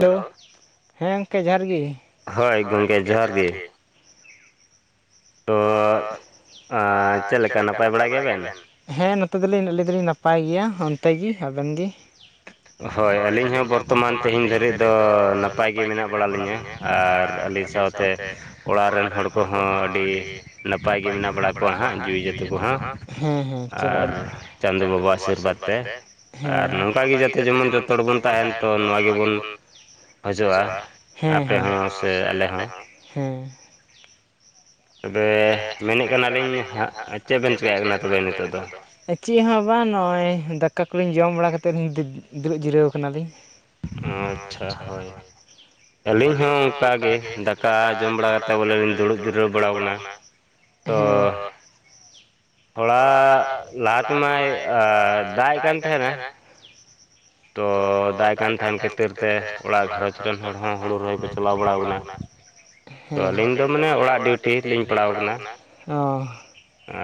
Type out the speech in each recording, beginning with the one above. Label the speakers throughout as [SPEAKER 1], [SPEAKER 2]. [SPEAKER 1] Hello ᱦᱮᱸ ᱜᱚᱢᱠᱮ ᱡᱚᱦᱟᱨ ᱜᱮ, ᱦᱳᱭ ᱜᱚᱢᱠᱮ ᱡᱚᱦᱟᱨ ᱜᱮ᱾
[SPEAKER 2] ᱛᱚ ᱟ ᱪᱮᱫ ᱞᱮᱠᱟ ᱱᱟᱯᱟᱭ ᱵᱟᱲᱟᱭ ᱜᱮᱭᱟᱵᱱ?
[SPEAKER 1] ᱦᱮᱸ ᱱᱚᱛᱮ ᱫᱚᱞᱤᱧ ᱟᱞᱤᱧ ᱫᱚᱞᱤᱧ ᱱᱟᱯᱟᱭ ᱜᱮᱭᱟ ᱚᱱᱛᱮ ᱜᱤ ᱟᱵᱮᱱ ᱜᱤ?
[SPEAKER 2] [unintelligible] ᱦᱳᱭ ᱟᱹᱞᱤᱧ ᱦᱚᱸ ᱵᱚᱨᱛᱚᱢᱟᱱ ᱛᱮᱦᱮᱧ ᱫᱷᱟᱹᱨᱤᱡ ᱫᱚ ᱱᱟᱯᱟᱭ ᱜᱮ ᱢᱮᱱᱟᱜ ᱵᱟᱲ ᱞᱤᱧᱟᱹ᱾ᱟᱨ ᱟᱹᱞᱤᱧ ᱥᱟᱶᱛᱮ ᱛᱮ ᱚᱲᱟᱜ ᱨᱮᱱ ᱦᱚᱲ ᱠᱚᱦᱚᱸ ᱟᱹᱰᱤ ᱟᱹᱰᱤ ᱱᱟᱯᱟᱭ ᱜᱮ ᱢᱮᱱᱟᱜ ᱵᱟᱲᱟ ᱠᱚᱣᱟ ᱦᱟᱸᱜ ᱡᱤᱣᱤᱼ ᱡᱚᱛᱩ ᱠᱚᱦᱚᱸ, ᱟᱨ ᱪᱟᱸᱫᱚᱳ ᱵᱟᱵᱟᱜ ᱟᱥᱤᱨᱵᱟᱫᱽ ᱛᱮ ᱟᱨ ᱱᱚᱝᱠᱟ ᱜᱮ
[SPEAKER 1] ᱚᱱᱠᱟᱜᱮ ᱡᱟᱛᱮ ᱡᱮᱢᱚᱱ ᱡᱚᱛᱚ ᱦᱚᱲ ᱵᱚᱱ ᱛᱟᱦᱮᱱ ᱛᱚ ᱱᱚᱣᱟ ᱜᱮᱵᱚᱱ ᱦᱤᱡᱩᱜᱼᱟ, ᱦᱮᱸ ᱥᱮ ᱟᱞᱮ ᱦᱚᱸ ᱦᱮᱸ᱾
[SPEAKER 2] ᱛᱚᱵᱮ ᱢᱮᱱᱮᱫ ᱠᱟᱱᱟᱞᱤᱧ ᱦᱟᱸᱜ ᱪᱮᱫ ᱵᱮᱱ ᱪᱮᱠᱟᱭᱮᱫ ᱠᱟᱱᱟ ᱛᱚᱵᱮ ᱱᱤᱛᱚᱜ ᱫᱚ᱾
[SPEAKER 1] ᱪᱮᱫ ᱦᱚᱸ ᱵᱟᱝ ᱱᱚᱼᱚᱭ ᱫᱟᱠᱟ ᱠᱚᱞᱤᱧ ᱡᱚᱢ ᱵᱟᱲᱟ ᱠᱟᱛᱮᱫ ᱫᱩᱲᱩᱵ ᱡᱤᱨᱟᱹᱣ ᱟᱠᱟᱱᱟᱞᱤᱧ᱾
[SPEAKER 2] ᱟᱪᱷᱟ ᱦᱳᱭ ᱟᱹᱞᱤᱧ ᱦᱚᱸ ᱚᱱᱠᱟᱜᱮ, ᱫᱟᱠᱟ ᱡᱚᱢ ᱵᱟᱲᱟ ᱠᱟᱛᱮᱫ ᱵᱚᱞᱮ ᱞᱤᱧ ᱫᱩᱲᱩᱵ ᱡᱤᱨᱟᱹᱣ ᱵᱟᱲᱟ ᱟᱠᱟᱱᱟ᱾
[SPEAKER 1] ᱦᱮᱸ
[SPEAKER 2] ᱦᱚᱞᱟ ᱞᱟᱦᱟ ᱛᱮᱢᱟᱭ ᱫᱟᱜ ᱮ ᱠᱟᱱ ᱛᱟᱦᱮᱱᱟ ᱛᱚ ᱫᱟᱭ ᱮ ᱠᱟᱱ ᱛᱟᱦᱮᱱ ᱠᱷᱟᱹᱛᱤᱨ ᱛᱮ ᱚᱲᱟᱜ ᱜᱷᱟᱨᱚᱸᱡᱽ ᱨᱮᱱ ᱦᱚᱲ ᱦᱚᱸ ᱦᱩᱲᱩ ᱨᱚᱦᱚᱭ ᱠᱚ ᱪᱟᱞᱟᱣ ᱵᱟᱲᱟᱣ ᱟᱠᱟᱱᱟ ᱛᱚ ᱟᱹᱞᱤᱧ ᱫᱚ ᱢᱟᱱᱮ ᱚᱲᱟᱜ ᱰᱤᱭᱩᱴᱤ
[SPEAKER 1] ᱪᱷᱩᱴᱤ ᱞᱤᱧ ᱯᱟᱲᱟᱣ ᱟᱠᱟᱱᱟ᱾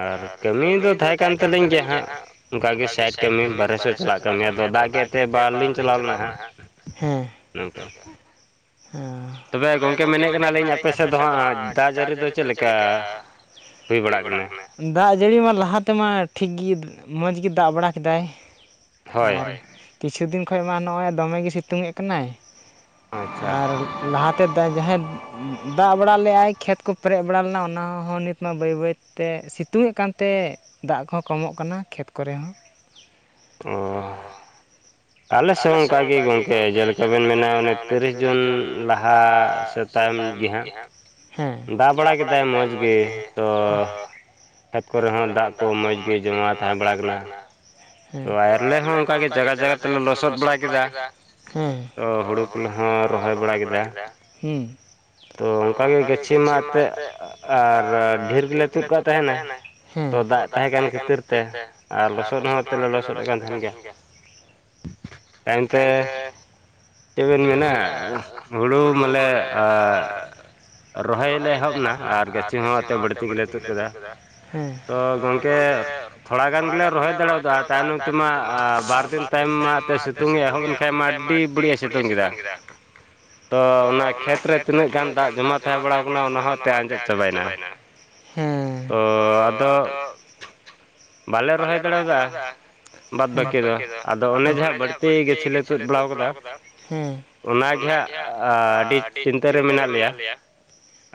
[SPEAKER 2] ᱟᱨ ᱠᱟᱹᱢᱤ ᱫᱚ ᱛᱟᱦᱮᱸᱠᱟᱱ ᱛᱟᱹᱞᱤᱧ ᱜᱮᱭᱟ ᱦᱟᱸᱜ ᱚᱱᱠᱟᱜᱮ ᱥᱟᱭᱤᱰ ᱠᱟᱹᱢᱤ ᱵᱟᱨᱦᱮ ᱥᱮᱫ ᱪᱟᱞᱟᱜ ᱠᱟᱱ ᱜᱤ ᱟᱫᱚ ᱫᱟᱜ ᱠᱮᱫ ᱛᱮ ᱵᱟᱞᱤᱧ ᱪᱟᱞᱟᱣ ᱞᱮᱱᱟ ᱦᱟᱸᱜ ᱱᱚᱝᱠᱟ
[SPEAKER 1] [unintelligible]
[SPEAKER 2] ᱛᱚᱵᱮ ᱜᱚᱢᱠᱮ ᱢᱮᱱᱮᱫ ᱠᱟᱱᱟᱞᱤᱧ ᱟᱯᱮ ᱥᱮᱫ ᱫᱚ ᱦᱟᱸᱜ ᱫᱟᱜ ᱡᱟᱹᱨᱤ ᱫᱚ ᱪᱮᱫ ᱞᱮᱠᱟ ᱦᱩᱭ ᱵᱟᱲᱟ ᱟᱠᱟᱱᱟ?
[SPEAKER 1] ᱫᱟᱜ ᱡᱟᱹᱲᱤ ᱢᱟ ᱞᱟᱦᱟ ᱛᱮᱢᱟ ᱴᱷᱤᱠ ᱜᱮ ᱢᱚᱡᱽ ᱜᱮ ᱫᱟᱜ ᱵᱟᱲᱟ ᱠᱮᱫᱟᱭ ᱟᱨ ᱠᱤᱪᱷᱩ ᱫᱤᱱ ᱠᱷᱚᱡ ᱢᱟ ᱱᱚᱜᱼᱚᱭ ᱫᱚᱢᱮ ᱜᱮᱭ ᱥᱤᱛᱩᱝᱮᱫ ᱠᱟᱱᱟᱭ᱾ ᱟᱨ ᱞᱟᱦᱟᱛᱮ ᱡᱟᱦᱟᱸᱭ ᱫᱟᱜ ᱵᱟᱲᱟ ᱞᱮᱫᱼᱟᱭ ᱠᱷᱮᱛ ᱠᱚ ᱯᱮᱨᱮᱡ ᱵᱟᱲᱟ ᱞᱮᱱᱟ ᱚᱱᱟ ᱦᱚᱸ ᱱᱤᱛ ᱢᱟ ᱵᱟᱹᱭ ᱵᱟᱹᱭᱛᱮ ᱥᱤᱛᱩᱝ ᱮᱫ ᱠᱟᱱᱛᱮ ᱫᱟᱜ ᱠᱚᱦᱚᱸ ᱠᱚᱢᱚᱜ ᱠᱟᱱᱟ ᱠᱷᱮᱛ ᱠᱚᱨᱮ
[SPEAKER 2] ᱚ ᱟᱞᱮ ᱥᱮᱫ ᱚᱱᱠᱟ ᱜᱮ ᱜᱚᱢᱠᱮ ᱡᱮᱞᱮᱠᱟ ᱵᱮᱱ ᱢᱮᱱᱟ ᱚᱱᱮ ᱛᱤᱨᱤᱥ ᱡᱩᱱ ᱞᱟᱦᱟ ᱥᱮᱫ
[SPEAKER 1] ᱥᱮ ᱛᱟᱭᱚᱢ ᱜᱮ ᱦᱟᱸᱜ
[SPEAKER 2] ᱫᱟ ᱵᱟᱲᱟ ᱠᱮᱫᱟᱭ ᱢᱚᱡᱽ ᱜᱮ ᱛᱚ ᱠᱷᱮᱛ ᱠᱚᱨᱮ ᱦᱚᱸ ᱫᱟᱜ ᱠᱚ ᱢᱚᱡᱽ ᱜᱮ ᱡᱚᱢᱟ ᱛᱟᱦᱮᱸ ᱵᱟᱲᱟ ᱠᱟᱱᱟ ᱛᱚ ᱟᱭᱞᱮ ᱦᱚᱸ ᱚᱱᱠᱟᱜᱮ ᱡᱟᱭᱜᱟ ᱡᱟᱭᱜᱟ ᱛᱮᱞᱮ ᱞᱚᱥᱚᱫ ᱵᱟᱲᱟ ᱠᱮᱫᱟ ᱛᱚ ᱦᱳᱲᱳ ᱠᱚ ᱞᱮ ᱦᱚᱸ ᱨᱚᱦᱚᱭ ᱵᱟᱲᱟ ᱠᱮᱫᱟ ᱛᱚ ᱚᱱᱠᱟᱜᱮ ᱜᱟᱹᱪᱷᱤ ᱢᱟᱜ ᱛᱮ ᱟᱨ ᱰᱷᱮᱨ ᱜᱮᱞᱮ ᱛᱩᱫ ᱠᱟᱜ ᱛᱟᱦᱮᱱᱟ᱾ ᱛᱚ ᱫᱟᱜ ᱛᱟᱦᱮᱸᱠᱟᱱ ᱠᱷᱟᱹᱛᱤᱨ ᱛᱮ ᱟᱨ ᱞᱚᱥᱚᱫ ᱦᱚᱸ
[SPEAKER 1] ᱞᱚᱥᱚᱫᱮᱫ ᱠᱟᱱ ᱛᱟᱦᱮᱱ ᱜᱮᱭᱟ᱾
[SPEAKER 2] ᱮᱱᱛᱮ ᱪᱮᱫ ᱵᱮᱱ ᱢᱮᱱᱟ ᱦᱩᱲᱩ ᱢᱟᱞᱮ ᱮᱻ ᱨᱚᱦᱚᱭ ᱞᱮ ᱮᱦᱚᱵ ᱮᱱᱟ ᱟᱨ ᱜᱟᱹᱪᱷᱤ ᱦᱚᱸ ᱮᱛᱮᱫ ᱵᱟᱹᱲᱛᱤ ᱜᱮᱞᱮ ᱛᱩᱫ ᱠᱮᱫᱟ᱾ ᱛᱳ ᱜᱚᱢᱠᱮ ᱛᱷᱚᱲᱟ ᱜᱟᱱ ᱜᱮᱞᱮ ᱨᱚᱦᱚᱭ ᱫᱟᱲᱮᱭᱟᱫᱟ ᱛᱟᱭᱱᱚᱢ ᱛᱮᱢᱟ ᱵᱟᱨ ᱫᱤᱱ
[SPEAKER 1] ᱢᱤᱫ ᱫᱤᱱ ᱛᱟᱭᱚᱢ ᱢᱟ ᱛᱮ ᱥᱤᱛᱩᱝ ᱮ ᱦᱚᱵ ᱮᱱ ᱠᱷᱟᱱ ᱢᱟ ᱟᱹᱰᱤ ᱵᱟᱹᱲᱤᱡ ᱮ ᱥᱤᱛᱩᱝ ᱠᱮᱫᱟ
[SPEAKER 2] ᱛᱚ ᱚᱱᱟ ᱠᱷᱮᱛ ᱨᱮ ᱛᱤᱱᱟᱹᱜ ᱜᱟᱱ ᱫᱟᱜ ᱡᱚᱢᱟ ᱛᱟᱦᱮᱸ ᱵᱟᱲᱟᱣ ᱟᱠᱟᱱᱟ ᱚᱱᱟ ᱦᱚᱸ ᱮᱱᱛ ᱟᱸᱡᱮᱫ ᱪᱟᱵᱟᱭᱮᱱᱟ ᱛᱚ ᱟᱫᱚ, ᱵᱟᱞᱮ ᱨᱚᱦᱚᱭ ᱫᱟᱲᱮᱣᱟᱫᱟ᱾
[SPEAKER 1] [unintelligible]
[SPEAKER 2] ᱵᱟᱫᱽ ᱵᱟᱹᱠᱤ ᱫᱚ ᱟᱫᱚ ᱚᱱᱮ ᱡᱟᱦᱟᱸ ᱵᱟᱹᱲᱛᱤ ᱜᱟᱹᱪᱷᱤᱞᱮ ᱛᱩᱫ ᱵᱟᱲᱟ ᱠᱟᱫᱟ ᱚᱱᱟᱜᱮ ᱦᱟᱸᱜ ᱟᱹᱰᱤ ᱪᱤᱱᱛᱟᱹ ᱨᱮ ᱢᱮᱱᱟᱜ ᱞᱮᱭᱟ᱾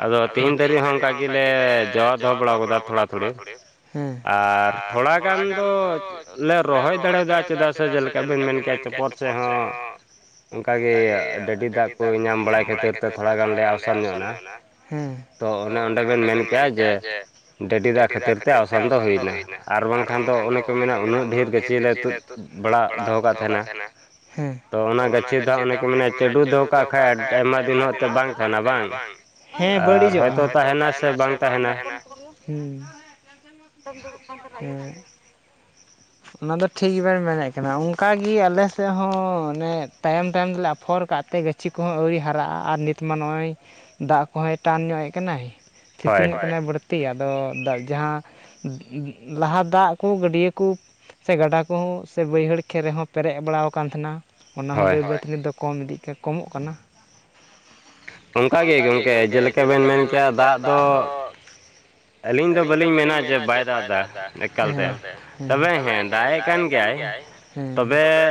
[SPEAKER 2] ᱟᱫᱚ ᱛᱤᱦᱤᱧ ᱫᱷᱟᱹᱨᱤᱡ ᱦᱚᱸ ᱚᱱᱠᱟ ᱜᱮᱞᱮ ᱡᱚ ᱫᱚᱦᱚ ᱵᱟᱲᱟ ᱠᱟᱫᱟ ᱛᱷᱚᱲᱟ ᱛᱷᱩᱲᱤ᱾ ᱟᱨ ᱛᱷᱚᱲᱟ ᱜᱟᱱ ᱫᱚᱞᱮ ᱨᱚᱦᱚᱭ ᱫᱟᱲᱮ ᱣᱟᱫᱟ ᱪᱮᱫᱟᱜ ᱥᱮ ᱪᱮᱫ ᱞᱮᱠᱟ ᱵᱮᱱ ᱢᱮᱱ ᱠᱮᱜ- ᱟ ᱪᱚᱯᱚᱨ ᱥᱮ ᱦᱚᱸ ᱚᱱᱠᱟ ᱜᱮ ᱰᱟᱹᱰᱤ ᱫᱟᱜ ᱠᱚ ᱧᱟᱢ ᱵᱟᱲᱟᱭ ᱠᱷᱟᱹᱛᱤᱨ ᱛᱮ ᱛᱷᱚᱲᱟ ᱜᱟᱱᱞᱮ ᱟᱣᱥᱟᱱ ᱧᱚᱜ ᱱᱟ᱾ ᱛᱚ ᱚᱱᱮ ᱚᱸᱰᱮ ᱵᱮᱱ ᱢᱮᱱ ᱠᱮᱜ-ᱟ ᱡᱮ ᱰᱟᱹᱰᱤ ᱫᱟᱜ ᱠᱷᱟᱹᱛᱤᱨ ᱛᱮ ᱟᱣᱥᱟᱱ ᱫᱚ ᱦᱩᱭᱱᱟ, ᱟᱨ ᱵᱟᱝᱠᱷᱟᱱ ᱫᱚ ᱚᱱᱮ ᱠᱚ ᱢᱮᱱᱟ ᱩᱱᱟᱹᱜ ᱰᱷᱮᱨ ᱜᱟᱹᱪᱷᱤᱞᱮ ᱛᱩᱫ ᱯᱟᱲᱟᱜ ᱫᱚᱦᱚᱣ ᱠᱟᱜ ᱛᱮᱦᱮᱱᱟ ᱛᱚ ᱚᱱᱟ ᱜᱟᱹᱪᱷᱤ ᱫᱚ ᱚᱱᱮ ᱠᱚ ᱢᱮᱱᱟ ᱪᱟᱹᱰᱩ ᱫᱚ ᱠᱷᱟᱡ ᱟᱭᱢᱟ ᱫᱤᱱ ᱦᱚᱸ ᱮᱛᱮᱫ ᱵᱟᱝ ᱛᱟᱦᱮᱱᱟ ᱵᱟᱝ᱾ ᱟᱨ ᱦᱚᱭᱛᱳ ᱛᱟᱸᱦᱮᱱᱟ ᱥᱮ ᱵᱟᱝ ᱛᱟᱸᱦᱮᱱᱟ᱾ ᱚᱝᱠᱟᱢ ᱫᱩᱲᱩᱵ ᱠᱟᱱ ᱛᱟᱸᱦᱮᱱᱟ ᱤᱭᱟᱹ
[SPEAKER 1] ᱚᱱᱟ ᱫᱚ ᱴᱷᱤᱠ ᱜᱤ ᱵᱮᱱ ᱢᱮᱱᱮᱜ ᱠᱟᱱᱟ, ᱚᱱᱠᱟ ᱜᱤ ᱟᱞᱮ ᱥᱮᱫ ᱦᱚᱸ ᱚᱱᱮ ᱛᱟᱭᱚᱢ ᱛᱚᱭᱚᱢ ᱛᱮᱞᱮ ᱟᱯᱷᱚᱨ ᱠᱟᱜ ᱛᱮᱜᱮ ᱜᱟᱹᱪᱷᱤ ᱠᱩᱦᱚ ᱟᱹᱣᱨᱤ ᱦᱟᱨᱟᱜ-ᱟ ᱟᱨ ᱱᱤᱛᱢᱟ ᱱᱚᱜᱚᱭ ᱫᱟᱜ ᱠᱚᱦᱚᱸᱭ ᱴᱟᱱ ᱧᱚᱜᱮᱫ ᱠᱟᱱᱟᱭ᱾ ᱥᱤᱛᱩᱝᱮᱜ ᱠᱟᱱᱟ ᱵᱟᱹᱲᱛᱤ ᱟᱫᱚ, ᱡᱟᱦᱟ ᱞᱟᱦᱟ ᱫᱟᱜ ᱠᱩ ᱜᱟᱹᱰᱤᱭᱟᱹ ᱠᱩ ᱥᱮ ᱜᱟᱰᱟ ᱠᱚᱦᱚᱸ ᱥᱮ ᱵᱟᱹᱭᱦᱟᱹᱲ ᱠᱷᱮ ᱨᱮᱦᱚᱸ ᱯᱮᱨᱮᱡ ᱵᱟᱲᱟᱣ ᱠᱟᱱ ᱛᱟᱸᱦᱮᱱᱟ᱾ ᱚᱱᱟ ᱦᱚᱸ ᱵᱟᱹᱭ ᱵᱟᱹᱭ ᱛᱮ ᱱᱤᱛᱫᱚ ᱠᱚᱢ ᱤᱫᱤᱜ ᱠᱟ ᱠᱚᱢᱚᱜ ᱠᱟᱱᱟ᱾
[SPEAKER 2] ᱚᱝᱠᱟ ᱜᱮ ᱜᱚᱝᱠᱮ ᱡᱮᱞᱮᱠᱟ ᱵᱮᱱ ᱢᱮᱱ ᱠᱮᱜ-ᱟ ᱫᱟᱜ ᱫᱚ ᱟᱹᱞᱤᱧ ᱫᱚ ᱵᱟᱹᱞᱤᱧ ᱢᱮᱱᱟ ᱡᱮ ᱵᱟᱭ ᱫᱟᱜ ᱫᱟ ᱮᱠᱟᱞ ᱛᱮ᱾
[SPEAKER 1] ᱛᱚᱵᱮ ᱦᱮᱸ ᱫᱟᱜ ᱮᱜ ᱠᱟᱱ ᱜᱮᱭᱟᱭ ᱛᱚᱵᱮ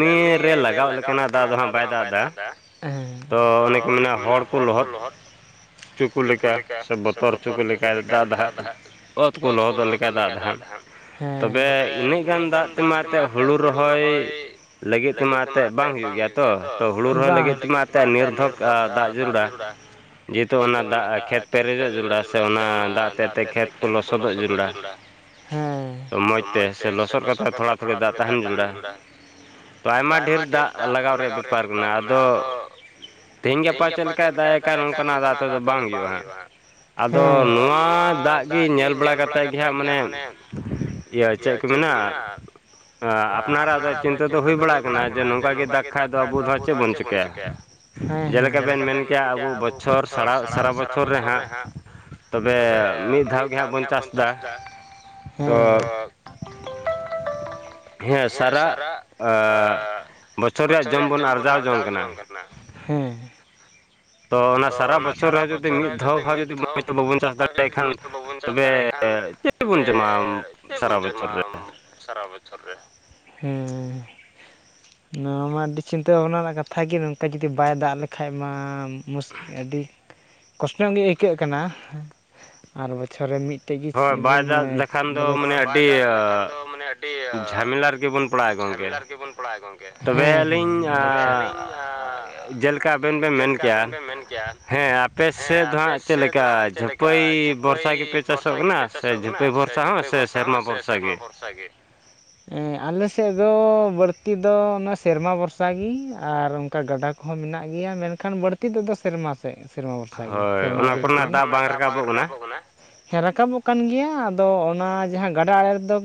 [SPEAKER 1] ᱠᱟᱹᱢᱤ ᱨᱮ
[SPEAKER 2] ᱫᱟᱜ ᱞᱮᱠᱟ ᱱᱟᱜ ᱫᱟᱜ ᱫᱚ ᱦᱟᱸᱜ ᱵᱟᱭ ᱫᱟᱜ ᱫᱟ᱾
[SPEAKER 1] [unintelligible] ᱛᱚ ᱚᱱᱮ ᱠᱚ ᱢᱮᱱᱟ ᱦᱚᱲ ᱠᱚ ᱞᱚᱦᱚᱫ
[SPEAKER 2] ᱪᱩᱠᱩ ᱞᱮᱠᱟ, ᱥᱮ ᱵᱚᱛᱚᱨ ᱩᱪᱩᱠᱩ ᱞᱮᱠᱟᱭ ᱫᱟᱜ ᱫᱟ ᱦᱟᱜ᱾ ᱚᱛ ᱠᱚ ᱞᱚᱦᱚᱫᱚᱜ ᱞᱮᱠᱟ ᱫᱟᱜ ᱫᱟ ᱦᱟᱸᱜ᱾ ᱛᱚᱵᱮ ᱤᱱᱟᱹᱜ ᱜᱟᱱ ᱫᱟᱜ ᱛᱮᱢᱟ ᱮᱛᱮᱜ ᱦᱩᱲᱩ ᱨᱚᱦᱚᱭ ᱞᱟᱹᱜᱤᱫ ᱛᱮᱢᱟ ᱛᱮᱜ ᱵᱟᱝ ᱦᱩᱭᱩᱜ ᱜᱮᱭᱟ ᱛᱚ ᱾ ᱛᱚ ᱦᱩᱲᱩ ᱨᱚᱦᱚᱭ ᱞᱟᱹᱜᱤᱫ ᱛᱮᱢᱟ,
[SPEAKER 1] ᱢᱟ ᱛᱮᱜ ᱱᱤᱨ ᱫᱷᱚᱠ ᱫᱟᱜ ᱡᱟᱨᱩᱲᱟ᱾ ᱡᱮᱦᱮᱛᱩ ᱚᱱᱟ ᱫᱟᱜ ᱠᱷᱮᱛ ᱯᱮᱨᱮᱡᱚᱜ ᱡᱟᱹᱨᱩᱲᱟ ᱥᱮ ᱚᱱᱟ ᱫᱟᱜ ᱛᱮᱫ ᱛᱮ ᱠᱷᱮᱛ ᱠᱩ ᱞᱚᱥᱚᱫᱚᱜ ᱡᱟᱹᱨᱩᱲᱟ᱾ ᱦᱮᱸ᱾
[SPEAKER 2] ᱢᱚᱡᱽ ᱛᱮ ᱥᱮ ᱞᱚᱥᱚᱫ ᱠᱟᱛᱮ ᱦᱚ ᱛᱷᱚᱲᱟ ᱛᱷᱩᱲᱤ ᱫᱟᱜ ᱛᱟᱦᱮᱱ ᱡᱟᱹᱲᱩᱲᱟ᱾ ᱛᱚ ᱟᱭᱢᱟ ᱰᱷᱮᱨ ᱫᱟᱜ ᱞᱟᱜᱟᱣ ᱨᱮᱭᱟᱜ ᱵᱮᱯᱟᱨ ᱠᱩᱱᱟ ᱟᱫᱚ ᱛᱤᱦᱮᱧ ᱜᱟᱯᱟ ᱪᱮᱫ ᱞᱮᱠᱟᱭ ᱫᱟᱜ ᱮᱜ ᱠᱟᱱ ᱚᱝᱠᱟᱱᱟᱜ ᱫᱟᱜ ᱛᱮᱫᱚ ᱵᱟᱝ ᱦᱩᱭᱩᱜᱼᱟ ᱦᱟᱸᱜ᱾ ᱟᱫᱚ ᱱᱚᱣᱟ ᱫᱟᱜ ᱜᱤ ᱧᱮᱞ ᱵᱟᱲᱟ ᱠᱟᱛᱮᱜ ᱜᱤ ᱦᱟᱸᱜ ᱢᱟᱱᱮ ᱤᱭᱟᱹ ᱪᱮᱜ ᱠᱩ ᱢᱮᱱᱟ ᱟᱯᱱᱟᱨᱟᱜ ᱫᱚ ᱪᱤᱱᱛᱟᱹ ᱫᱚ ᱦᱩᱭ ᱵᱟᱲᱟ ᱠᱟᱱᱟ ᱡᱮ ᱱᱚᱝᱠᱟ ᱜᱮ ᱫᱟᱜᱽ ᱠᱷᱟᱡ ᱫᱚ ᱟᱵᱚ ᱫᱚ ᱦᱟᱸᱜ ᱪᱮᱫ ᱪᱤᱠᱟᱹᱭᱟ᱾ ᱡᱮᱞᱮᱠᱟ ᱵᱮᱱ ᱢᱮᱱ ᱠᱮᱜ-ᱟ ᱟᱵᱚ ᱵᱚᱪᱷᱚᱨ ᱥᱟᱲᱟ ᱥᱟᱨᱟ ᱵᱚᱪᱷᱚᱨ ᱨᱮ ᱦᱟᱸᱜ᱾ ᱛᱚᱵᱮ ᱢᱤᱫ ᱫᱷᱟᱣ ᱜᱮ ᱦᱟᱸᱜ ᱵᱚᱱ ᱪᱟᱥ ᱫᱟ᱾
[SPEAKER 1] ᱦᱮ ᱛᱚ
[SPEAKER 2] [unintelligible] ᱦᱮᱸ ᱥᱟᱨᱟᱜ ᱵᱚᱪᱷᱚᱨ ᱨᱮᱭᱟᱜ ᱡᱚᱢ ᱵᱚᱱ ᱟᱨᱡᱟᱣ ᱡᱚᱝ ᱠᱟᱱᱟ᱾
[SPEAKER 1] ᱛᱚ ᱚᱱᱟ ᱥᱟᱨᱟ ᱵᱚᱪᱷᱚᱨ ᱨᱮ ᱡᱩᱫᱤ ᱢᱤᱫ ᱫᱷᱟᱣ ᱦᱚᱸ ᱡᱩᱫᱤ ᱢᱚᱡᱽ ᱛᱮ ᱵᱟᱵᱚᱱ ᱪᱟᱥ ᱫᱟᱲᱮ ᱠᱷᱟᱱ ᱛᱚᱵᱮ ᱪᱮᱫ ᱵᱩᱱ ᱡᱚᱢᱟ ᱥᱟᱨᱟ ᱵᱚᱪᱷᱚᱨ ᱨᱮ ᱦᱮᱸᱻ ᱱᱚᱣᱟ ᱢᱟ ᱟᱹᱰᱤ ᱪᱤᱱᱛᱟᱹ ᱵᱷᱟᱵᱱᱟ ᱨᱮᱱᱟᱜ ᱠᱟᱛᱷᱟ ᱜᱮ ᱱᱚᱝᱠᱟ ᱡᱩᱫᱤ ᱵᱟᱭ ᱫᱟᱜ ᱞᱮᱠᱷᱟᱡ ᱢᱟ ᱢᱩᱥ ᱟᱹᱰᱤ ᱠᱚᱥᱴᱚᱝ ᱜᱮ ᱟᱹᱭᱠᱟᱹᱜ ᱠᱟᱱᱟ ᱟᱨ ᱵᱚᱪᱷᱚᱨ ᱨᱮ ᱢᱤᱫ ᱛᱮᱜᱮ ᱵᱚᱱ ᱵᱚᱞᱮ ᱵᱟᱭ ᱫᱟᱜ ᱞᱮᱠᱷᱟᱱ ᱫᱚ ᱢᱟᱱᱮ ᱟᱹᱰᱤ
[SPEAKER 2] [unintelligible] ᱜᱚᱝᱠᱮ
[SPEAKER 1] [unintelligible]
[SPEAKER 2] ᱛᱚᱵᱮ ᱞᱤᱧ ᱡᱮᱞᱮᱠᱟ ᱟᱵᱮᱱ ᱵᱮᱱ ᱢᱮᱱ ᱠᱮᱜ-ᱟ᱾ ᱦᱮᱸ ᱟᱯᱮ ᱥᱮᱫ ᱫᱚ ᱦᱟᱸᱜ ᱪᱮᱫ ᱞᱮᱠᱟ ᱡᱷᱟᱹᱯᱟᱹᱭ ᱵᱚᱨᱥᱟ ᱜᱮᱯᱮ ᱪᱟᱥᱚᱜ ᱠᱟᱱᱟ? ᱥᱮ ᱡᱤᱯᱮ ᱵᱚᱨᱥᱟ ᱦᱚᱸ ᱥᱮ ᱥᱮᱨᱢᱟ ᱵᱚᱨᱥᱟ ᱜᱮ
[SPEAKER 1] ᱥᱟ ᱜᱮ ᱟᱞᱮ ᱥᱮᱫ ᱫᱚ ᱵᱟᱹᱲᱛᱤ ᱫᱚ ᱚᱱᱟ ᱥᱮᱨᱢᱟ ᱵᱚᱨᱥᱟ ᱜᱤ ᱟᱨ ᱚᱱᱠᱟ ᱜᱟᱰᱟ ᱠᱚᱦᱚᱸ ᱢᱮᱱᱟᱜ ᱜᱮᱭᱟ ᱢᱮᱱᱠᱷᱟᱱ ᱵᱟᱹᱲᱛᱤ ᱫᱚ ᱥᱮᱨᱢᱟ ᱥᱮᱫ ᱥᱮᱨᱢᱟ ᱵᱷᱚᱨᱥᱟ ᱜᱮ ᱥᱮᱨᱢᱟ ᱡᱟᱹᱲᱤ ᱜᱮ ᱦᱳᱭ ᱚᱱᱟ ᱠᱚᱨᱮᱱᱟᱜ ᱫᱟᱜ ᱵᱟᱝ ᱨᱟᱠᱟᱵᱚᱜ ᱠᱟᱱᱟ ᱦᱮᱸ ᱨᱟᱠᱟᱵᱚᱜ ᱠᱟᱱ ᱜᱮᱭᱟ ᱟᱫᱚ ᱚᱱᱟ ᱡᱟᱦᱟᱸ ᱜᱟᱰᱟ ᱟᱲᱮ ᱨᱮᱫᱚ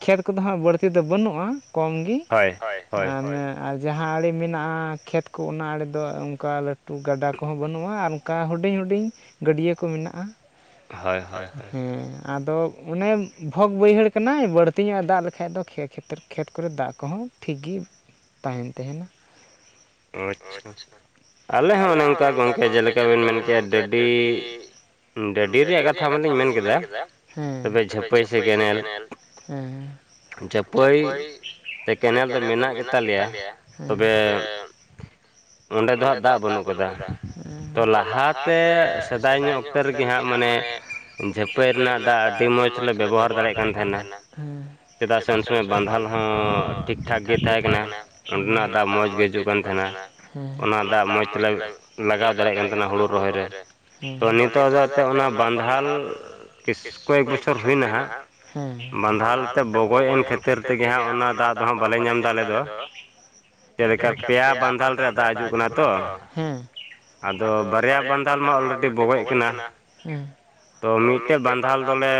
[SPEAKER 1] ᱠᱷᱮᱛ ᱠᱚᱫᱚ ᱦᱟᱸᱜ ᱵᱟᱹᱲᱛᱤ ᱫᱚ ᱵᱟᱹᱱᱩᱜᱼᱟ ᱠᱚᱢ ᱜᱤ ᱦᱳᱭ ᱦᱳᱭ ᱟᱨ ᱡᱟᱦᱟᱸ ᱟᱲᱮ ᱢᱮᱱᱟᱜᱼᱟ ᱠᱷᱮᱛ ᱠᱚ ᱚᱱᱟ ᱟᱲᱮ ᱫᱚ ᱚᱱᱠᱟ ᱞᱟᱹᱴᱩ ᱮᱴᱩ [unintelligible] ᱜᱟᱰᱟ ᱠᱚᱦᱚᱸ ᱵᱟᱹᱱᱩᱜᱼᱟ ᱟᱨ ᱚᱱᱠᱟ ᱦᱩᱰᱤᱧ ᱦᱩᱰᱤᱧ ᱜᱟᱹᱰᱭᱟᱹ ᱠᱚ ᱢᱮᱱᱟᱜᱼᱟ ᱦᱳᱭ ᱦᱳᱭ ᱦᱮᱸ ᱟᱫᱚ ᱚᱱᱮ ᱵᱷᱚᱜᱽ ᱵᱟᱹᱭᱦᱟᱹᱲ ᱠᱟᱱᱟᱭ ᱵᱟᱹᱲᱛᱤ ᱧᱚᱜ ᱮ ᱫᱟᱜ ᱞᱮᱠᱷᱟᱱ ᱫᱚ ᱠᱷᱮᱛ ᱠᱷᱮᱛ ᱠᱚᱨᱮ ᱫᱟᱜ ᱠᱚᱦᱚᱸ ᱴᱷᱤᱠ ᱜᱤ ᱛᱟᱦᱮᱱ ᱛᱟᱦᱮᱱᱟ
[SPEAKER 2] ᱟᱪᱪᱷᱟ ᱟᱞᱮ ᱦᱚᱸ ᱚᱱᱮ ᱚᱝᱠᱟ ᱜᱚᱢᱠᱮ ᱡᱮᱞᱮᱠᱟ ᱵᱮᱱ ᱢᱮᱱ ᱠᱮᱭᱟ ᱰᱟᱹᱰᱤ ᱰᱟᱹᱰᱤ ᱨᱮᱭᱟᱜ ᱠᱟᱛᱷᱟ ᱢᱟᱞᱤᱧ ᱢᱮᱱ ᱠᱮᱫᱟ ᱛᱚᱵᱮ ᱡᱷᱟᱹᱯᱟᱹᱭ ᱥᱮ ᱠᱮᱱᱮᱞ ᱡᱷᱟᱯᱟᱹᱭ
[SPEAKER 1] ᱠᱮᱱᱮᱞ ᱫᱚ ᱢᱮᱱᱟᱜ ᱜᱮᱛᱟ ᱞᱮᱭᱟ ᱛᱚᱵᱮ
[SPEAKER 2] ᱚᱸᱰᱮ ᱫᱚ ᱦᱟᱸᱜ ᱫᱟᱜ ᱵᱟᱹᱱᱩᱜ ᱛᱚ ᱞᱟᱦᱟᱛᱮ ᱥᱮᱫᱟᱭ ᱧᱚᱜ ᱚᱠᱛᱮᱚ ᱨᱮᱜᱮ ᱦᱟᱸᱜ ᱢᱟᱱᱮ ᱡᱷᱟᱹᱯᱟᱹᱭ ᱨᱮᱱᱟᱜ ᱫᱟᱜ ᱟᱹᱰᱤ ᱢᱚᱡᱽ ᱞᱮ ᱵᱮᱵᱚᱦᱟᱨ ᱫᱟᱲᱮᱭᱟᱜ ᱠᱟᱱ ᱛᱟᱦᱮᱱᱟ
[SPEAKER 1] ᱦᱮᱸ
[SPEAKER 2] ᱪᱮᱫᱟᱜ ᱥᱮ ᱩᱱ ᱥᱚᱢᱚᱭ ᱵᱟᱸᱫᱷᱟᱱ ᱦᱚᱸ ᱴᱷᱤᱠ ᱴᱷᱟᱠ ᱜᱮ ᱛᱟᱦᱮᱸ ᱠᱟᱱᱟ ᱚᱸᱰᱮᱱᱟᱜ ᱫᱟᱜ ᱢᱚᱡᱽ ᱜᱮ ᱦᱤᱡᱩᱜ ᱠᱟᱱᱟ ᱠᱟᱱ ᱛᱟᱦᱮᱱᱟ ᱚᱱᱟ ᱫᱟᱜ ᱢᱚᱡᱽ
[SPEAKER 1] ᱢᱚᱡᱽ ᱛᱮᱞᱮ ᱞᱟᱜᱟᱣ ᱫᱟᱲᱮᱭᱟᱜ ᱠᱟᱱ ᱛᱟᱦᱮᱱᱟ ᱦᱩᱲᱩ ᱨᱚᱦᱚᱭ ᱨᱮ ᱛᱚ ᱱᱤᱛᱚᱜ ᱫᱚ ᱮᱱᱛᱮ ᱚᱱᱟ ᱵᱟᱸᱫᱷᱟᱱ ᱵᱤᱥ ᱠᱚᱭᱮᱠ ᱵᱚᱪᱷᱚᱨ ᱦᱩᱭᱱᱟ ᱦᱟᱸᱜ ᱵᱟᱸᱫᱷᱟᱱ ᱛᱮ ᱵᱚᱜᱚᱡ ᱮᱱ ᱠᱷᱟᱹᱛᱤᱨ ᱪᱤᱛᱟᱹᱨ ᱛᱮᱜᱮ ᱦᱟᱸᱜ ᱚᱱᱟ ᱫᱟᱜ ᱫᱚ ᱦᱟᱸᱜ ᱵᱟᱞᱮ ᱧᱟᱢ ᱮᱫᱟ ᱟᱞᱮ ᱫᱚ
[SPEAKER 2] ᱡᱮᱞᱮᱠᱟ ᱯᱮᱭᱟ ᱵᱟᱸᱫᱷᱟᱞ ᱨᱮᱭᱟᱜ ᱫᱟᱜ ᱦᱤᱡᱩᱜ ᱠᱟᱱᱟ ᱛᱚ
[SPEAKER 1] ᱛᱚ ᱟᱫᱚ ᱵᱟᱨᱭᱟ ᱵᱟᱱᱫᱟᱞ ᱢᱟ ᱚᱞᱨᱮᱰᱤ ᱵᱚᱜᱚᱡ ᱠᱟᱱᱟ
[SPEAKER 2] ᱛᱚ ᱢᱤᱫᱴᱮᱡ ᱵᱟᱱᱫᱷᱟᱞ ᱫᱚᱞᱮ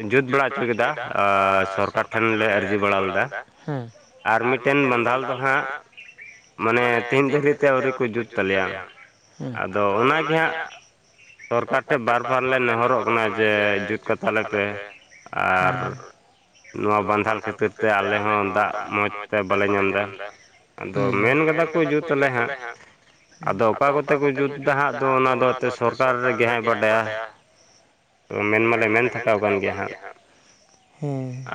[SPEAKER 2] ᱮ ᱡᱩᱛ ᱵᱟᱲᱟ ᱦᱚᱪᱚ ᱠᱮᱫᱟ ᱟᱨ ᱥᱚᱨᱠᱟᱨ ᱴᱷᱮᱱ ᱞᱮ ᱟᱹᱨᱡᱤ ᱵᱟᱲᱟ ᱞᱮᱫᱟ ᱟᱨ ᱢᱤᱫᱴᱮᱱ ᱵᱟᱸᱫᱷᱟᱞ ᱫᱚ ᱦᱟᱸᱜ ᱢᱟᱱᱮ ᱛᱤᱱ
[SPEAKER 1] ᱛᱤᱱ ᱫᱷᱟᱹᱨᱤᱛᱮ ᱟᱹᱣᱨᱤ ᱠᱚ ᱡᱩᱛ ᱛᱟᱞᱮᱭᱟ ᱟᱫᱚ ᱚᱱᱟᱜᱮ ᱦᱟᱸᱜ
[SPEAKER 2] ᱥᱚᱨᱠᱟᱨ ᱴᱷᱮᱡ ᱵᱟᱨ ᱵᱟᱨ ᱞᱮ ᱱᱮᱦᱚᱨᱚᱜ ᱠᱟᱱᱟ ᱡᱮ ᱡᱩᱛ ᱠᱟᱛᱟᱞᱮᱯᱮ ᱟᱨᱻ ᱱᱚᱣᱟ ᱵᱟᱱᱫᱷᱟᱞ ᱠᱷᱟᱹᱛᱤᱨ ᱛᱮ ᱟᱞᱮ ᱦᱚᱸ ᱫᱟᱜ ᱢᱚᱡᱽ ᱛᱮ ᱵᱟᱞᱮ ᱧᱟᱢ ᱮᱫᱟ ᱟᱫᱚ ᱢᱮᱱ ᱠᱟᱫᱟ ᱠᱚ ᱡᱩᱛ
[SPEAKER 1] ᱡᱩᱛ ᱛᱟᱞᱮ ᱦᱟᱸᱜ
[SPEAKER 2] ᱟᱫᱚ ᱚᱠᱟ ᱠᱚᱛᱮ ᱠᱚ ᱡᱩᱛᱫᱟ ᱦᱟᱸᱜ ᱟᱫᱚ ᱚᱱᱟᱫᱚ ᱮᱱᱛᱮᱫ ᱥᱚᱨᱠᱟᱨ ᱜᱮ ᱦᱟᱸᱜ ᱵᱟᱰᱟᱭᱟ
[SPEAKER 1] ᱦ [inaudible]
[SPEAKER 2] ᱛᱚ ᱢᱮᱱ ᱢᱟᱞᱮ ᱢᱮᱱᱛᱷᱟᱠᱟᱣ ᱠᱟᱱᱟᱱ ᱜᱮᱭᱟ ᱦᱟᱸᱜ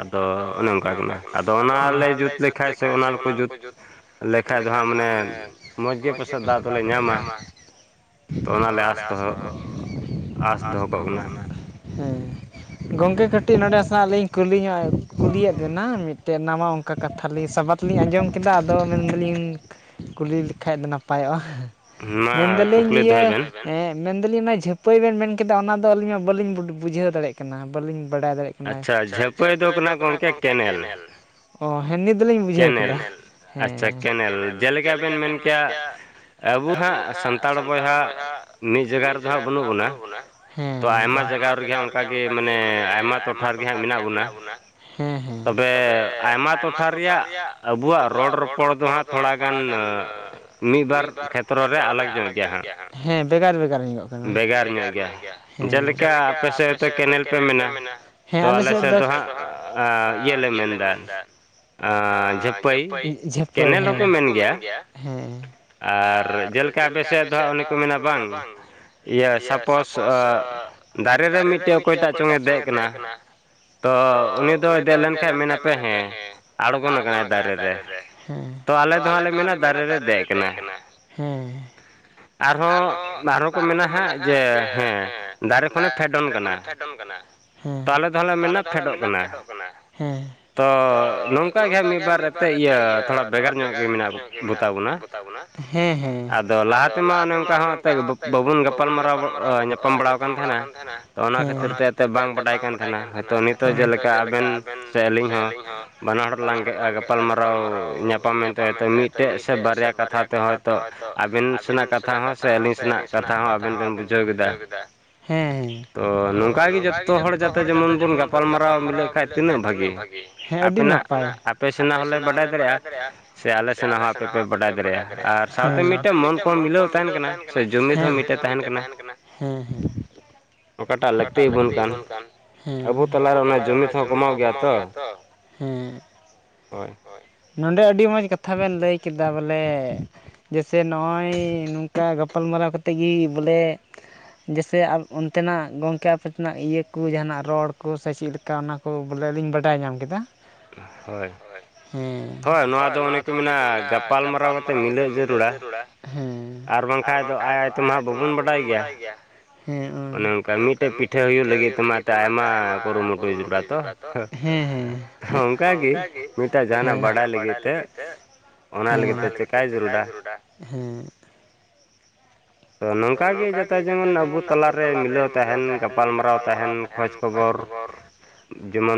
[SPEAKER 2] ᱟᱫᱚ ᱚᱱᱮ ᱚᱱᱠᱟ ᱠᱟᱱᱟ ᱟᱫᱚ ᱚᱱᱟᱞᱮ ᱡᱩᱛ ᱞᱮᱠᱷᱟᱡ ᱥᱮ ᱚᱱᱟ ᱨᱮᱠᱚ ᱡᱩᱛ ᱞᱮᱠᱟᱡ ᱫᱚ ᱦᱟᱸᱜ ᱢᱟᱱᱮ ᱢᱚᱡᱽ ᱜᱮ ᱯᱟᱥᱮᱡ ᱯᱟᱥᱮ ᱫᱟᱜ ᱫᱚᱞᱮ ᱧᱟᱢᱟ ᱛᱚ ᱚᱱᱟᱞᱮ ᱟᱥ ᱫᱚᱦᱚ [inaudible] ᱟᱥ ᱫᱚᱦᱚ ᱠᱚᱜ ᱠᱟᱱᱟ
[SPEAKER 1] ᱦᱮᱸ ᱜᱚᱝᱠᱮ ᱠᱟᱹᱴᱤᱡ ᱱᱚᱰᱮ ᱱᱟᱥ ᱱᱟᱜ ᱞᱤᱧ ᱠᱩᱞᱤ ᱧᱚᱜ ᱠᱩᱞᱤᱭᱮᱫ ᱵᱤᱱᱟ ᱢᱤᱫ ᱛᱮᱫ ᱱᱟᱣᱟ ᱚᱱᱠᱟ ᱠᱟᱛᱷᱟᱞᱤᱧ ᱥᱟᱵᱟᱫᱽ ᱞᱤᱧ ᱟᱸᱡᱚᱢ ᱠᱮᱫᱟ ᱟᱫᱚ ᱢᱮᱱᱫᱟᱞᱤᱧ ᱠᱩᱞᱤ ᱞᱮᱠᱷᱟᱡ ᱫᱚ ᱱᱟᱯᱟᱭᱚᱜᱼᱟ ᱢᱮᱱᱫᱟᱞᱤᱧ ᱤᱭᱟᱹ ᱦᱮᱸ ᱢᱮᱱᱫᱟᱞᱤᱧ ᱚᱱᱟ ᱡᱷᱟᱹᱯᱟᱹᱭ ᱵᱮᱱ ᱢᱮᱱ ᱠᱮᱫᱟ ᱚᱱᱟᱫᱚ ᱟᱹᱞᱤᱧ ᱢᱟ ᱵᱟᱹᱞᱤᱧ ᱵᱩᱡᱷᱟᱹᱣ ᱫᱟᱲᱮᱜ ᱠᱟᱱᱟ ᱵᱟᱹᱞᱤᱧ ᱵᱟᱰᱟᱭ ᱫᱟᱲᱮᱜ ᱠᱟᱱᱟ ᱟᱪᱪᱷᱟ ᱟᱪᱪᱷᱟ ᱡᱷᱟᱹᱯᱟᱹᱭ ᱫᱚ ᱠᱟᱱᱟ ᱜᱚᱝᱠᱮ ᱠᱮᱱᱮᱞ ᱚ ᱦᱮ ᱱᱤᱛ ᱫᱚᱞᱤᱧ ᱵᱩᱡᱷᱟᱹᱣ ᱠᱮᱭᱟ ᱠᱮᱱᱮᱞ ᱦᱮᱸ ᱟᱪᱪᱷᱟ ᱠᱮᱱᱮᱞ ᱡᱮᱞᱮᱠᱟ ᱵᱮᱱ ᱢᱮᱱ ᱠᱮ-ᱟ
[SPEAKER 2] ᱟᱵᱩ ᱦᱟᱸᱜ ᱥᱟᱱᱛᱟᱲ ᱵᱚᱭᱦᱟ ᱢᱤᱫ ᱡᱟᱭᱜᱟ ᱨᱮᱫᱚ ᱦᱟᱸᱜ ᱵᱟᱹᱱᱩᱜ ᱵᱚᱱᱟ ᱛᱚ ᱟᱭᱢᱟ ᱡᱟᱭᱜᱟ ᱨᱮᱜᱮ ᱦᱟᱸᱜ ᱚᱱᱠᱟᱜᱮ ᱢᱟᱱᱮ ᱟᱭᱢᱟ ᱴᱚᱴᱷᱟ ᱨᱮᱜᱮ ᱦᱟᱸᱜ ᱢᱮᱱᱟᱜ ᱵᱚᱱᱟ
[SPEAKER 1] [unintelligible]
[SPEAKER 2] ᱛᱚᱵᱮ ᱟᱭᱢᱟ ᱴᱚᱴᱷᱟ ᱨᱮᱭᱟᱜ ᱟᱵᱩᱣᱟᱜ ᱨᱚᱲ ᱨᱚᱯᱚᱲ ᱫᱚ ᱦᱟᱸᱜ ᱛᱷᱚᱲᱟ᱾ ᱜᱟᱱ ᱢᱤᱫ ᱵᱟᱨ ᱠᱷᱮᱛᱨᱚ ᱨᱮ ᱟᱞᱟᱜ ᱧᱚᱸᱜ ᱜᱮᱭᱟ ᱦᱟᱸᱜ᱾
[SPEAKER 1] ᱦᱮᱸ, ᱵᱷᱮᱜᱟᱨ ᱵᱷᱮᱜᱟᱨ ᱦᱩᱧᱚᱜ ᱵᱷᱮᱜᱟᱨ ᱧᱚᱜ ᱜᱮᱭᱟ, ᱦᱮᱸ, ᱡᱮᱞᱮᱠᱟ ᱟᱯᱮ ᱥᱮᱫ ᱛᱚ ᱠᱮᱱᱮᱞ ᱯᱮ ᱢᱮᱱᱟ᱾ ᱦᱮᱸ ᱟᱞᱮ ᱥᱮᱫ ᱫᱚ ᱦᱟᱸᱜ ᱤᱭᱟᱹ ᱞᱮ ᱢᱮᱱ ᱫᱟ ᱟ ᱡᱷᱟᱹᱯᱟᱹᱭ ᱡᱷᱟᱹᱯᱟᱹᱭ ᱦᱮ ᱸ
[SPEAKER 2] ᱜᱮᱭᱟ ᱟᱨ ᱡᱮᱞᱮᱠᱟ ᱟᱯᱮ ᱥᱮᱫ ᱫᱚ ᱦᱟᱸᱜ ᱚᱱᱮ ᱠᱚ ᱢᱮᱱᱼᱟ ᱵᱟᱝ ᱤᱭᱟᱹ ᱥᱟᱯᱳᱥ ᱫᱟᱨᱮ ᱨᱮ ᱢᱤᱫᱴᱮᱡ ᱚᱠᱚᱭ ᱴᱟᱜ ᱪᱚᱝᱼᱮ ᱫᱮᱡ ᱟᱠᱟᱱᱟ᱾ ᱛᱚ ᱩᱱᱤ ᱫᱚᱭ ᱫᱮᱡ ᱞᱮᱱ ᱠᱷᱟᱡ ᱢᱮᱱ ᱟᱯᱮ ᱦᱮ᱾ ᱟᱬᱜᱳᱱ ᱠᱟᱱᱟᱭ ᱫᱟᱨᱮ ᱨᱮ᱾ ᱛᱚ ᱟᱞᱮ ᱫᱚ ᱦᱟᱸᱜ ᱞᱮ ᱢᱮᱱ ᱟ ᱫᱟᱨᱮ ᱨᱮ ᱫᱮᱡ ᱠᱟᱱᱟᱭ᱾ ᱟᱨᱦᱚᱸ ᱟᱨᱦᱚᱸ ᱢᱮᱱ ᱟ ᱦᱟᱸᱜ ᱡᱮ ᱦᱮᱸ ᱫᱟᱨᱮ ᱠᱷᱚᱱ ᱮ ᱯᱷᱮᱰᱚᱱ ᱠᱟᱱᱟ᱾ ᱛᱚ ᱟᱞᱮ ᱫᱚ ᱦᱟᱸᱜ ᱞᱮ ᱢᱮᱱ ᱟ ᱯᱷᱮᱰᱚᱜ ᱠᱟᱱᱟ᱾ ᱛᱚ ᱱᱚᱝᱠᱟ ᱜᱮ ᱦᱟᱸᱜ ᱢᱤᱫ ᱵᱟᱨ ᱨᱮᱛᱮᱜ ᱤᱭᱟᱹ ᱛᱷᱚᱲᱟ ᱵᱷᱮᱜᱟᱨ ᱧᱚᱜ ᱢᱮᱱᱟᱜ ᱵᱚᱛᱟ ᱵᱩᱱᱟ, ᱟᱫᱚ ᱞᱟᱦᱟ ᱛᱮᱢᱟ ᱚᱱᱮ ᱚᱱᱠᱟ ᱦᱚᱸ ᱮᱱᱛᱮᱫ ᱵᱟᱵᱩᱱ ᱜᱟᱯᱟᱞ ᱢᱟᱨᱟᱣ ᱧᱟᱯᱟᱢ ᱵᱟᱲᱟᱣᱠᱟᱱ ᱛᱟᱦᱮᱸᱱᱟ ᱛᱚ ᱚᱱᱟ ᱠᱷᱟᱹᱛᱤᱨ ᱛᱮ ᱮᱱᱛᱮ ᱵᱟᱝ ᱵᱟᱰᱟᱭ ᱠᱟᱱ ᱛᱟᱦᱮᱸᱱᱟ᱾ ᱦᱚᱭᱛᱳ ᱱᱤᱛᱚᱜ ᱛᱚ ᱡᱮᱞᱮᱠᱟ ᱟᱵᱮᱱ ᱥᱮ ᱟᱹᱞᱤᱧ ᱦᱚᱸ ᱵᱟᱱᱟ ᱦᱚᱲ ᱞᱟᱝᱼᱟ ᱜᱟᱯᱟᱞ ᱢᱟᱨᱟᱣ ᱧᱟᱯᱟᱢ ᱮᱱᱛᱮ ᱛᱚ ᱢᱤᱫᱴᱮᱡ ᱥᱮ ᱵᱟᱨᱭᱟ ᱠᱟᱛᱷᱟ ᱛᱮ ᱦᱚᱭᱛᱚ ᱟᱵᱮᱱ ᱥᱮᱱᱟᱜ ᱠᱟᱛᱷᱟ ᱦᱚᱸ ᱥᱮ ᱟᱹᱞᱤᱧ ᱥᱮᱱᱼᱟᱜ
[SPEAKER 1] ᱠᱟᱛᱷᱟ ᱦᱚᱸ ᱟᱵᱮᱱ ᱵᱮᱱ ᱵᱩᱡᱷᱟᱹᱣ ᱠᱮᱫᱟ᱾ ᱦᱮᱸ᱾ ᱛᱚ ᱱᱚᱝᱠᱟ ᱜᱮ ᱡᱚᱛᱚ ᱦᱚᱲ ᱡᱟᱛᱮ ᱡᱮᱢᱚᱱ ᱵᱩᱱ ᱜᱟᱯᱟᱞ ᱢᱟᱨᱟᱣ ᱢᱤᱞᱟᱹᱜ ᱠᱷᱟᱡ ᱛᱤᱱᱟᱹᱜ ᱵᱷᱟᱜᱤ᱾ ᱦᱮᱸ ᱟᱹᱰᱤ ᱱᱟᱯᱟᱭ ᱟᱯᱮ ᱥᱮᱱᱟᱜ ᱦᱚᱸᱞᱮ ᱵᱟᱰᱟᱭ ᱫᱟᱲᱮᱭᱟᱜᱼᱟ᱾ ᱥᱮ ᱟᱞᱮ ᱥᱮᱱᱟᱜ ᱦᱚᱸ ᱟᱯᱮ ᱯᱮ ᱵᱟᱰᱟᱭ ᱫᱟᱲᱮᱭᱟᱜᱼᱟ᱾ ᱦᱮᱸ ᱥᱟᱶᱛᱮ ᱢᱤᱫᱴᱮᱱ ᱢᱚᱱ ᱠᱚᱦᱚᱸ ᱢᱤᱞᱟᱹᱣ ᱛᱟᱦᱮᱸᱱ ᱠᱟᱱᱟ᱾ ᱡᱩᱢᱤᱫ ᱦᱚᱸ ᱢᱤᱫᱴᱮᱡ ᱛᱟᱦᱮᱸᱱ ᱠᱟᱱᱟ᱾ ᱦᱮᱸ ᱦᱮᱸ, ᱚᱠᱟᱴᱟᱜ ᱞᱟᱹᱠᱛᱤ ᱟᱵᱩᱱ ᱠᱟᱱ ᱟᱵᱩ ᱛᱟᱞᱟ ᱨᱮ ᱚᱱᱟ ᱡᱩᱢᱤᱫ ᱦᱚᱸ ᱠᱚᱢᱟᱣ ᱜᱮᱭᱟ ᱛᱚ? ᱦᱮᱸ᱾
[SPEAKER 2] ᱦᱳᱭ᱾
[SPEAKER 1] ᱱᱚᱰᱮ ᱟᱹᱰᱤ ᱢᱚᱡᱽ ᱠᱟᱛᱷᱟ ᱵᱮᱱ ᱞᱟᱹᱭ ᱠᱮᱫᱟ ᱵᱚᱞᱮ ᱡᱮᱥᱮ ᱱᱚᱜᱼᱚᱭ ᱱᱚᱝᱠᱟ ᱜᱟᱯᱟᱞ ᱢᱟᱨᱟᱣ ᱠᱟᱛᱮ ᱜᱤ ᱵᱚᱞᱮ ᱡᱮᱥᱮ ᱚᱱᱛᱮᱱᱼᱟᱜ ᱜᱚᱢᱠᱮ ᱟᱯᱮ ᱥᱮᱱᱟᱜ ᱤᱭᱟᱹ ᱠᱚ ᱡᱟᱦᱟᱸᱱᱟᱜ ᱨᱚᱲ ᱠᱚ ᱥᱮ ᱪᱮᱫ ᱞᱮᱠᱟ ᱚᱱᱟ ᱵᱚᱞᱮ ᱞᱤᱧ ᱵᱟᱰᱟᱭ ᱧᱟᱢ ᱠᱮᱫᱟ ᱦᱳᱭ ᱦᱮᱸ ᱱᱚᱣᱟ ᱚᱱᱮ ᱠᱚ ᱢᱮᱱ ᱟ ᱜᱟᱯᱟᱞ ᱢᱟᱨᱟᱣ ᱠᱟᱛᱮ ᱢᱤᱞᱟᱹᱣ ᱡᱟᱹᱨᱩᱲᱟ ᱦᱮᱸ
[SPEAKER 2] ᱟᱨ ᱵᱟᱝᱠᱷᱟᱡ ᱫᱚ ᱟᱡ ᱟᱡ ᱛᱮᱢᱟ ᱵᱟᱵᱩᱱ ᱵᱟᱰᱟᱭ ᱜᱮᱭᱟ᱾
[SPEAKER 1] [unintelligible]
[SPEAKER 2] ᱚᱱᱮ ᱚᱱᱠᱟ ᱢᱤᱫᱴᱮᱡ ᱯᱤᱴᱷᱟᱹ ᱦᱩᱭᱩᱜ ᱞᱟᱹᱜᱤᱫ ᱛᱮᱢᱟ ᱮᱛᱮᱫ ᱟᱭᱢᱟ ᱠᱩᱨᱩᱢᱩᱴᱩ ᱡᱩᱨᱩᱲ ᱟ ᱛᱚ
[SPEAKER 1] ᱦᱮᱸ ᱦᱮᱸ ᱚᱱᱠᱟ ᱜᱤ ᱢᱤᱫᱴᱟᱝ ᱡᱟᱦᱟᱸᱱᱼᱟᱜ ᱵᱟᱰᱟᱭ ᱞᱟᱹᱜᱤᱫ ᱚᱱᱟ ᱞᱟᱹᱜᱤᱫ ᱛᱮ ᱪᱮᱠᱟᱭ ᱡᱩᱨᱩᱲ ᱟ᱾
[SPEAKER 2] ᱛᱚ ᱱᱚᱝᱠᱟ ᱜᱮ ᱡᱟᱛᱮ ᱡᱮᱢᱚᱱ ᱟᱵᱩ ᱛᱟᱞᱟ ᱨᱮ ᱢᱤᱞᱟᱹᱣ ᱛᱟᱦᱮᱸᱱ ᱜᱟᱯᱟᱞ ᱢᱟᱨᱟᱣ ᱛᱟᱦᱮᱸᱱ
[SPEAKER 1] ᱡᱟᱦᱟᱱ ᱠᱷᱚᱡᱽ ᱠᱷᱚᱵᱚᱨ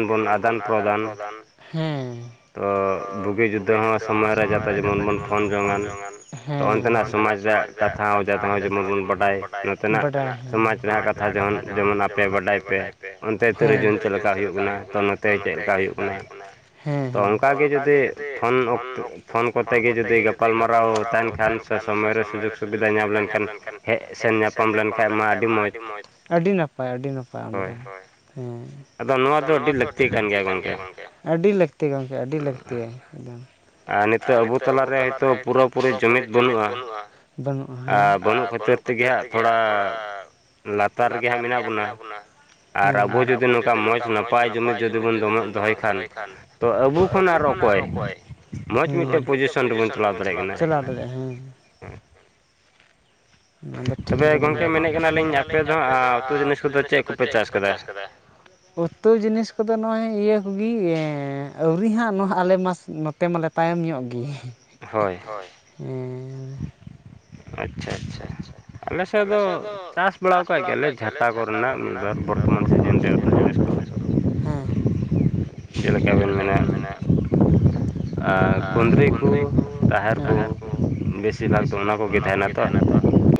[SPEAKER 1] ᱡᱮᱢᱚᱱ ᱵᱚᱱ ᱟᱫᱟᱱ ᱯᱨᱚᱫᱟᱱ, ᱦᱮᱸ᱾
[SPEAKER 2] ᱛᱚ ᱵᱩᱜᱤ ᱡᱩᱫᱟᱹ ᱦᱚᱸ ᱥᱚᱢᱚᱭ ᱨᱮ ᱡᱟᱛᱮ ᱡᱮᱢᱚᱱ ᱵᱚᱱ ᱯᱷᱳᱱ ᱡᱚᱝ ᱟᱱ ᱛᱚ ᱚᱱᱛᱮᱱᱼᱟᱜ ᱥᱚᱢᱟᱡᱽ ᱨᱮᱭᱟᱜ ᱠᱟᱛᱷᱟ ᱦᱚᱸ ᱡᱟᱛᱮ ᱡᱮᱢᱚᱱ ᱵᱚᱱ ᱵᱟᱰᱟᱭ ᱱᱚᱛᱮᱱᱼᱟᱜ ᱥᱚᱢᱟᱡᱽ ᱨᱮᱱᱟᱜ ᱠᱟᱛᱷᱟ ᱡᱮᱢᱚᱱ ᱡᱮᱢᱚᱱ ᱟᱯᱮ ᱵᱟᱰᱟᱭ ᱯᱮ? ᱚᱱᱛᱮ ᱛᱤᱨᱤᱥ ᱡᱩᱱ ᱪᱮᱫ ᱞᱮᱠᱟ ᱦᱩᱭᱩᱜ ᱠᱟᱱᱟ ᱛᱚ ᱱᱚᱛᱮ ᱪᱮᱫ ᱞᱮᱠᱟ ᱦᱩᱭᱩᱜ ᱠᱟᱱᱟ, ᱛᱚ ᱚᱝᱠᱟ ᱜᱮ ᱡᱩᱫᱤ ᱯᱷᱳᱱ ᱚᱠᱛᱚ ᱯᱷᱳᱱ ᱠᱚᱛᱮ ᱜᱮ ᱡᱩᱫᱤ ᱜᱟᱯᱟᱞᱢᱟᱨᱟᱣ ᱛᱟᱦᱮᱸᱱ ᱠᱷᱟᱱ ᱥᱮ ᱥᱚᱢᱚᱭ ᱨᱮ ᱥᱩᱡᱳᱜ ᱥᱩᱵᱤᱫᱷᱟ ᱧᱟᱢ ᱞᱮᱱ ᱠᱷᱟᱱ᱾
[SPEAKER 1] ᱞᱮᱱᱠᱷᱟᱱ ᱦᱮᱡ ᱥᱮᱱ ᱧᱟᱯᱟᱢ ᱞᱮᱱᱠᱷᱟᱡ ᱢᱟ ᱟᱹᱰᱤ ᱢᱚᱸᱡᱽ ᱟᱹᱰᱤ ᱱᱟᱯᱟᱭ ᱟᱹᱰᱤ ᱱᱟᱯᱟᱭ ᱚᱸᱰᱮ ᱫᱚ ᱦᱳᱭ ᱦᱮᱸ ᱮᱠᱫᱚᱢ ᱱᱚᱣᱟ ᱫᱚ ᱟᱹᱰᱤ ᱞᱟᱹᱠᱛᱤ ᱠᱟᱱ ᱜᱮᱭᱟ ᱜᱚᱝᱠᱮ? ᱟᱹᱰᱤ ᱞᱟᱹᱠᱛᱤ ᱜᱚᱝᱠᱮ ᱟᱹᱰᱤ ᱞᱟᱹᱠᱛᱤ ᱮᱠᱫᱚᱢ ᱟᱨ ᱱᱤᱛᱚᱜ ᱟᱵᱩ ᱛᱟᱞᱟ ᱨᱮ ᱦᱚᱭᱛᱚ ᱯᱩᱨᱟᱹ ᱯᱩᱨᱤ ᱡᱩᱢᱤᱫ ᱵᱟᱹᱱᱩᱜᱼᱟ᱾ ᱵᱟᱹᱱᱩᱜ-ᱟ ᱦᱮᱸᱻ ᱟᱨ ᱵᱟᱹᱱᱩᱜ ᱠᱷᱟᱹᱛᱤᱨ ᱛᱮᱜᱮ ᱦᱟᱸᱜ ᱛᱷᱚᱲᱟ ᱞᱟᱛᱟᱨ ᱨᱮᱜᱮ ᱦᱟᱸᱜ ᱢᱮᱱᱟᱜ ᱵᱚᱱᱟ? ᱟᱨ ᱟᱵᱚ ᱡᱩᱫᱤ ᱱᱚᱝᱠᱟ ᱢᱚᱡᱽ ᱱᱟᱯᱟᱭ ᱡᱩᱢᱤᱫ ᱡᱩᱫᱤ ᱵᱚᱱ ᱫᱚᱢᱚᱡ ᱫᱚᱦᱚᱭ ᱠᱷᱟᱱ
[SPEAKER 2] ᱛᱚ ᱟᱵᱩ ᱠᱷᱚᱱ ᱟᱨ ᱚᱠᱚᱭ ᱢᱚᱡᱽ ᱢᱤᱫᱴᱮᱡ ᱯᱚᱡᱤᱥᱚᱱ ᱨᱮᱵᱚᱱ ᱪᱟᱞᱟᱣ ᱫᱟᱲᱮᱭᱟᱜ ᱠᱟᱱᱟ᱾
[SPEAKER 1] ᱦᱮᱸ ᱟᱫᱚ ᱴᱷᱤᱠ ᱵᱮᱱ ᱛᱚᱵᱮ ᱜᱚᱝᱠᱮ ᱢᱮᱱᱼᱮᱫ ᱠᱟᱱᱟ ᱞᱤᱧ ᱟᱯᱮ ᱫᱚ ᱩᱛᱩ ᱡᱤᱱᱤᱥ ᱠᱚᱫᱚ ᱪᱮᱜ ᱠᱚᱯᱮ ᱪᱟᱥ ᱠᱟᱫᱟ? ᱩᱛᱩ ᱡᱤᱱᱤᱥ ᱠᱚᱫᱚ ᱱᱚᱜᱼᱚᱭ ᱤᱭᱟᱹ ᱠᱚᱜᱮ ᱟᱹᱣᱨᱤ ᱦᱟᱸᱜ ᱱᱚᱣᱟ ᱟᱞᱮ ᱢᱟᱥ ᱱᱚᱛ ᱛᱮ ᱢᱟᱞᱮ ᱛᱟᱭᱚᱢ ᱧᱚᱜ ᱜᱮ
[SPEAKER 2] ᱟᱪᱪᱷᱟ ᱟᱪᱪᱷᱟ ᱟᱞᱮ ᱥᱮᱜ ᱫᱚ ᱪᱟᱥ ᱵᱟᱲᱟᱣ ᱠᱟᱜ ᱜᱮᱭᱟᱞᱮ ᱡᱷᱟᱴᱟ ᱠᱚᱨᱮᱱᱟᱜ ᱢᱤᱜ ᱵᱟᱨ ᱵᱚᱨᱛᱚᱢᱟᱱ ᱥᱤᱡᱤᱱ [unintelligible] ᱠᱚᱨᱮ᱾
[SPEAKER 1] ᱦᱮᱸ
[SPEAKER 2] ᱡᱮᱞᱮᱠᱟ ᱵᱮᱱ ᱢᱮᱱᱟ ᱟᱨ ᱠᱩᱸᱫᱽᱨᱤ ᱠᱩ ᱛᱟᱦᱮᱨ ᱠᱚ ᱵᱮᱥᱤᱨ ᱵᱷᱟᱜᱽ ᱫᱚ ᱚᱱᱟ ᱠᱚᱜᱮ ᱛᱟᱦᱮᱱᱟ᱾
[SPEAKER 1] ᱛᱟᱦᱮᱱᱟ ᱛᱚ